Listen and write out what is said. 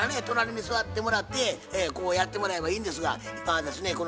隣に座ってもらってこうやってもらえばいいんですが今はですね